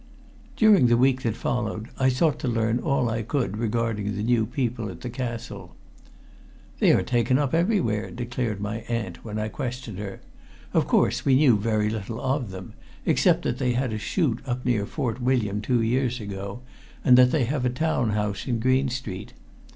During the week that followed I sought to learn all I could regarding the new people at the castle. "They are taken up everywhere," declared my aunt when I questioned her. "Of course, we knew very little of them, except that they had a shoot up near Fort William two years ago, and that they have a town house in Green Street.